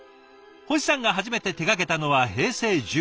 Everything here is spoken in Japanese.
星さんが初めて手がけたのは平成１６年。